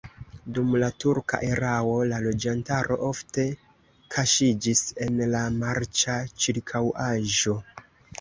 Dum la turka erao la loĝantaro ofte kaŝiĝis en la marĉa ĉirkaŭaĵo.